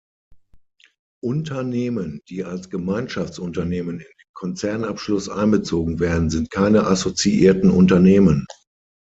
Unternehmen die als Gemeinschaftsunternehmen in den Konzernabschluss einbezogen werden, sind keine assoziierten Unternehmen.